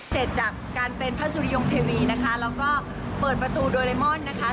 เสร็จจากการเป็นพระสุริยงเทวีนะคะแล้วก็เปิดประตูโดเรมอนนะคะ